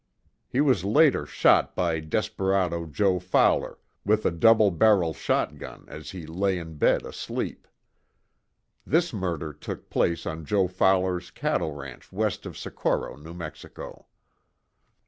He was later shot by desperado Joe Fowler, with a double barrel shot gun, as he lay in bed asleep. This murder took place on Joe Fowler's cattle ranch west of Socorro, New Mexico.